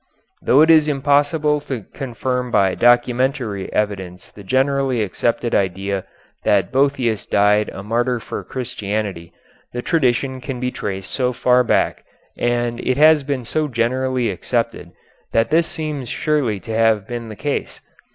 Though it is impossible to confirm by documentary evidence the generally accepted idea that Boëthius died a martyr for Christianity, the tradition can be traced so far back, and it has been so generally accepted that this seems surely to have been the case.